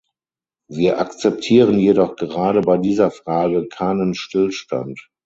Wir akzeptieren jedoch gerade bei dieser Frage keinen Stillstand.